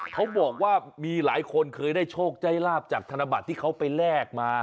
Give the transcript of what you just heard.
เขาบอกว่ามีหลายคนเคยได้โชคได้ลาบจากธนบัตรที่เขาไปแลกมา